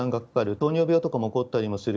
糖尿病とかも起こったりする。